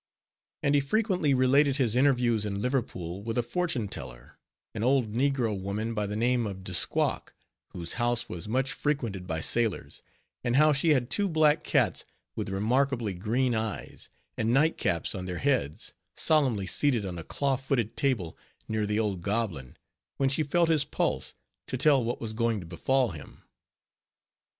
And he frequently related his interviews in Liverpool with a fortune teller, an old negro woman by the name of De Squak, whose house was much frequented by sailors; and how she had two black cats, with remarkably green eyes, and nightcaps on their heads, solemnly seated on a claw footed table near the old goblin; when she felt his pulse, to tell what was going to befall him.